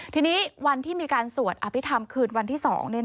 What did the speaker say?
ทีนี้วันที่มีการสวดอภิษฐรรมคืนวันที่๒